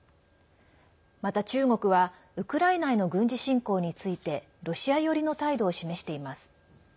また、中国はウクライナへの軍事侵攻についてロシア寄りの態度を示しています。